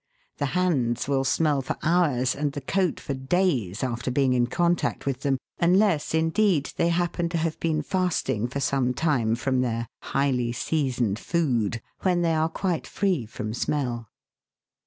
The hands will smell for hours, and the coat for days, after being in contact with them, unless, indeed, they happen to have been fasting for some time from their highly seasoned food, when they are quite free from smell.